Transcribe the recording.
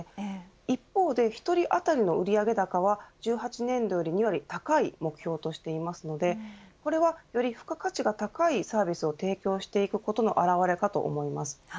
一方で１人当たりの売上高は１８年度より２割高い目標としていますのでこれはより付加価値が高いサービスを提供していくことの現れかと思います。